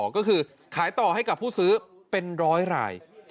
ก็คือขายต่อให้กับผู้ซื้อเป็นร้อยราย